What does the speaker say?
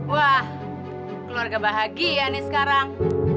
wah keluarga bahagia nih sekarang